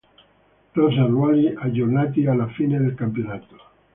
Rosa e ruoli, aggiornati alla fine del campionato.